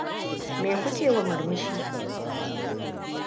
Me kuke wa murmushi?